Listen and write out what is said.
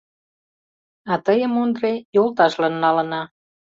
— А тыйым, Ондре, йолташлан налына.